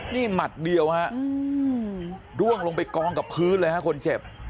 นี่หมัดเดียวฮะร่วงลงไปกองกับพื้นเลยฮะคนเจ็บ